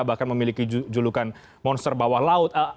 bahkan memiliki julukan monster bawah laut